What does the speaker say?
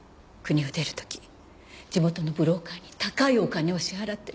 国を出る時地元のブローカーに高いお金を支払ってる。